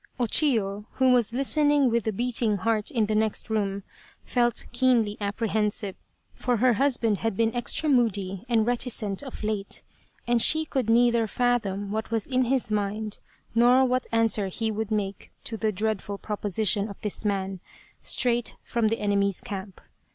O Chiyo, who was listening with a beating heart in the next room, felt keenly apprehensive, for her husband had been extra moody and reticent of late, 183 Loyal, Even Unto Death and she could neither fathom what was in his mind, nor what answer he would make to the dreadful pro position of this man straight from the enemy's camp.